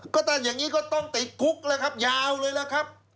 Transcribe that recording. ก็ถ้าอย่างนี้ก็ต้องติดคุกแล้วครับยาวเลยล่ะครับ